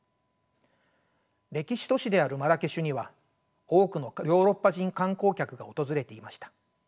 歴史都市であるマラケシュには多くのヨーロッパ人観光客が訪れていました。